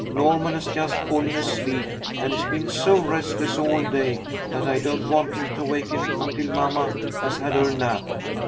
Norman has just fallen asleep, and he's been so restless all day that I don't want him to waken until mamma has had her nap."